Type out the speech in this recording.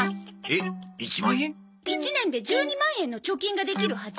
１年で１２万円の貯金ができるはず。